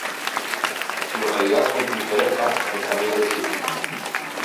Localidad muy pintoresca en el Camino del Cid.